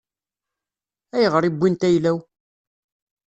Ayɣer i wwint ayla-w?